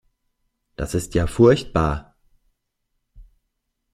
Das ist ja furchtbar.